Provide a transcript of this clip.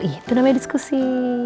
itu namanya diskusi